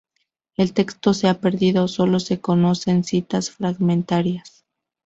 El texto se ha perdido, sólo se conocen citas fragmentarias.